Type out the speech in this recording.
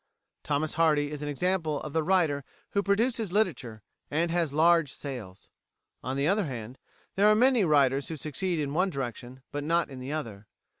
Thomas Hardy is an example of the writer who produces literature and has large sales. On the other hand, there are many writers who succeed in one direction, but not in the other.